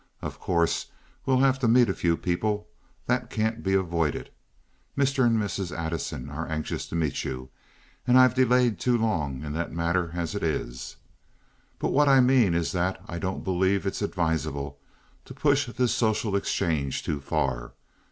Of course we'll have to meet a few people. That can't be avoided. Mr. and Mrs. Addison are anxious to meet you, and I've delayed too long in that matter as it is. But what I mean is that I don't believe it's advisable to push this social exchange too far.